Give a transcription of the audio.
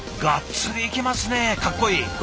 がっつりいきますねかっこいい。